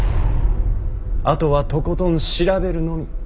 あとはとことん調べるのみ。